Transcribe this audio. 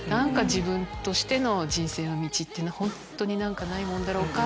自分としての人生の道っていうのは本当に何かないもんだろうか？